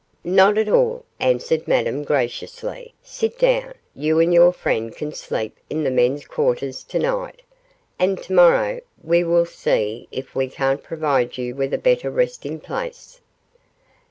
'Not at all,' answered Madame, graciously, 'sit down; you and your friend can sleep in the men's quarters to night, and to morrow we will see if we can't provide you with a better resting place.